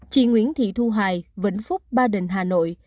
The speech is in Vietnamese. chị nguyễn thị thu hà vĩnh phúc ba đình hà nội